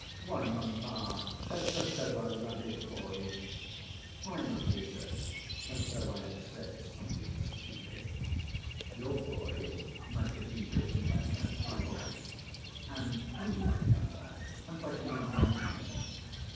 "Why, mamma! As though there were rabid boys!" "Why not, Lise, as though I had said something stupid! Your boy might have been bitten by a mad dog and he would become mad and bite any one near him.